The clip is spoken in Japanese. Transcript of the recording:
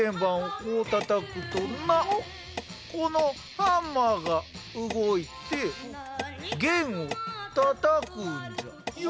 このハンマーが動いて弦をたたくんじゃよ。